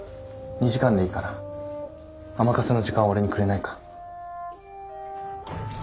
２時間でいいから甘春の時間を俺にくれないか？